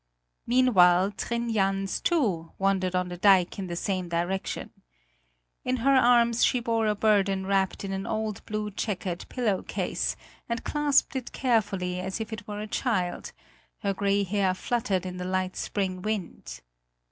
Meanwhile Trin Jans, too, wandered on the dike in the same direction. In her arms she bore a burden wrapped in an old blue checkered pillowcase, and clasped it carefully as if it were a child; her grey hair fluttered in the light spring wind.